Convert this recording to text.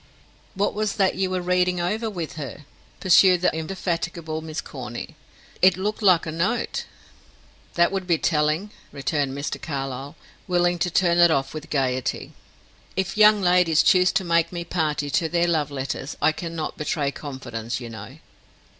"What was that you were reading over with her?" pursued the indefatigable Miss Corny. "It looked like a note." "Ah, that would be telling," returned Mr. Carlyle, willing to turn it off with gayety. "If young ladies choose to make me party to their love letters, I cannot betray confidence, you know."